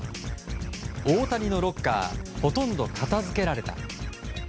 大谷のロッカーほとんど片付けられた。